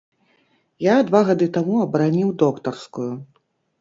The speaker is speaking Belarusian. Я два гады таму абараніў доктарскую.